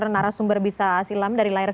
narasumber bisa silam dari layar